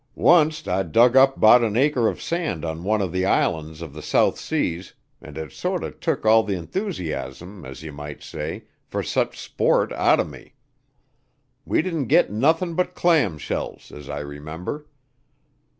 Once't I dug up 'bout an acre of sand on one of the islands of the South seas an' it sorter took all th' enthusiasm, as ye might say, fer sech sport outern me. We didn't git nothin' but clam shells, as I remember.